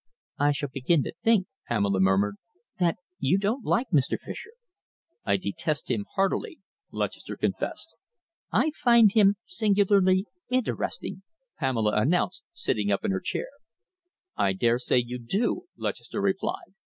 "I shall begin to think," Pamela murmured, "that you don't like Mr. Fischer!" "I detest him heartily," Lutchester confessed. "I find him singularly interesting," Pamela announced, sitting up in her chair. "I dare say you do," Lutchester replied.